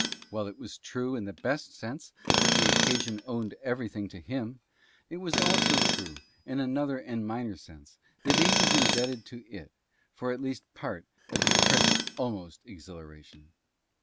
While it was true in the best sense that the occasion owed everything to him, it was also true, in another and minor sense, that he was indebted to it for at least a part of his present almost exhilaration.